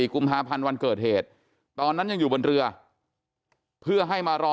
กุมภาพันธ์วันเกิดเหตุตอนนั้นยังอยู่บนเรือเพื่อให้มารอ